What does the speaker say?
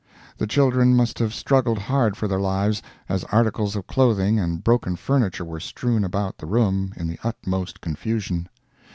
The children must have struggled hard for their lives, as articles of clothing and broken furniture were strewn about the room in the utmost confusion.